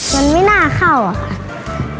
มันไม่น่าเข้าอะค่ะ